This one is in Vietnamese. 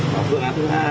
và phương án thứ hai